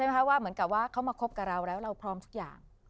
ว่าเหมือนกับว่าเขามาคบกับเราแล้วเราพร้อมทุกอย่าง